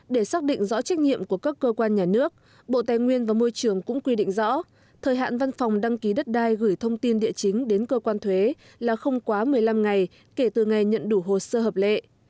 để xác định rõ trách nhiệm của các cơ quan nhà nước bộ tài nguyên và môi trường cũng quy định rõ thời hạn văn phòng đăng ký đất đai gửi thông tin địa chính đến cơ quan thuế là không quá một mươi năm ngày kể từ ngày nhận đủ hồ sơ hợp lệ